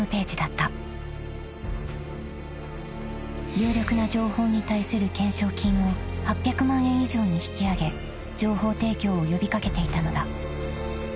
［有力な情報に対する懸賞金を８００万円以上に引き上げ情報提供を呼び掛けていたのだ］